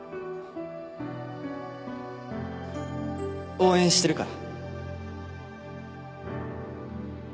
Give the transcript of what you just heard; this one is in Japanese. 応援してるから